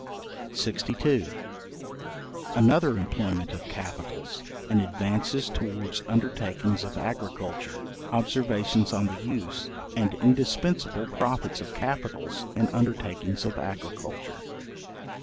§62. Another employment of capitals, in advances towards undertakings of agriculture. Observations on the use, and indispensable profits of capitals in undertakings of agriculture.